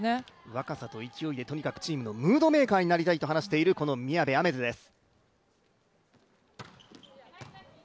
若さと勢いでとにかくチームのムードメーカーになりたいと話している宮部愛芽世です。